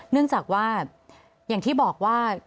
เนื่องจากว่าอย่างที่บอกว่า